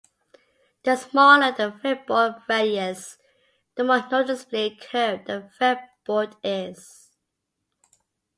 The smaller the fretboard radius, the more noticeably curved the fretboard is.